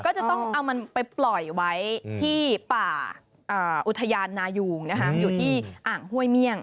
ก็จะต้องเอามันไปปล่อยไว้ที่ป่าอุทยานนายุงอยู่ที่อ่างห้วยเมี่ยง